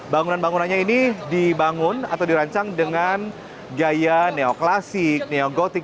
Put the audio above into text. bangunan bangunannya ini dibangun atau dirancang dengan gaya neoklasik neogotik